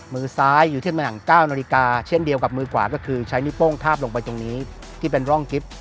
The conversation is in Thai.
มือซ้ายอยู่ที่แม่หนัง๙นาฬิกาเช่นเดียวกับมือขวาก็คือใช้นิโป้งทาบลงไปตรงนี้ที่เป็นร่องกิ๊บ